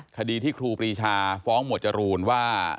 คดีที่ครูปรีชาฟ้องหมวดจรูนว่า